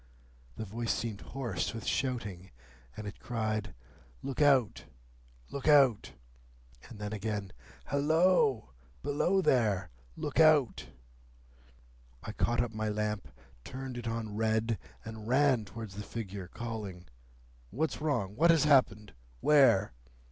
The voice seemed hoarse with shouting, and it cried, 'Look out! Look out!' And then again, 'Halloa! Below there! Look out!' I caught up my lamp, turned it on red, and ran towards the figure, calling, 'What's wrong? What has happened? Where?